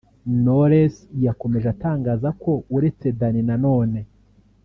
Knowless yakomeje atangaza ko uretse Dany Nanone